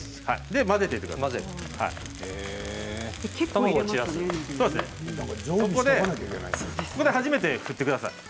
混ぜてください。